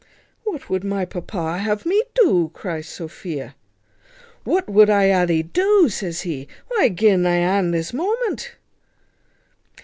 "What would my papa have me do?" cries Sophia. "What would I ha thee do?" says he, "why, gi' un thy hand this moment."